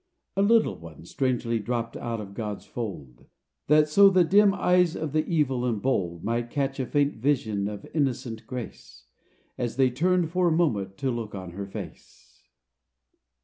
A little one strangely dropped out of God's fold, That so the dim eyes of the evil and bold Might catch a faint vision of innocent grace, As they turned for a moment to look on her face.